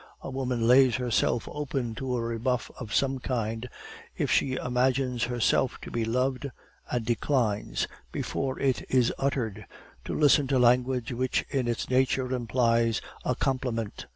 A woman lays herself open to a rebuff of some kind, if she imagines herself to be loved, and declines, before it is uttered, to listen to language which in its nature implies a compliment.